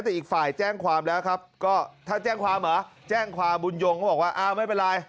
แต่อีกฝ่ายแจ้งความแล้วครับก็ถ้าแจ้งความเหรอแจ้งความบุญยงก็บอกว่าอ้าวไม่เป็นไร